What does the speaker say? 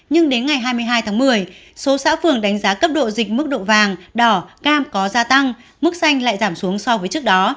nhưng đến ngày hai mươi hai tháng một mươi số xã phường đánh giá cấp độ dịch mức độ vàng đỏ cam có gia tăng mức xanh lại giảm xuống so với trước đó